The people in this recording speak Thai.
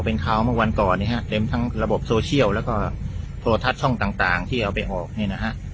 เป็นข่าวเมื่อวันก่อนเนี่ยฮะเต็มทั้งระบบโซเชียลแล้วก็โทรทัศน์ช่องต่างที่เอาไปออกเนี่ยนะฮะ